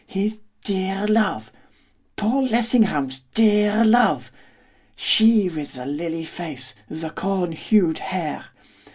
His dear love! Paul Lessingham's dear love! She with the lily face, the corn hued hair!